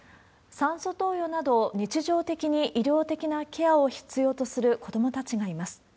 酸素投与など、日常的に医療的なケアを必要とする子どもたちがいます。